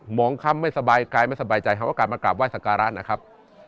หมองคำไม่สบายกายไม่สบายใจหากว่ากลับมากลับว่ายศักระนะครับ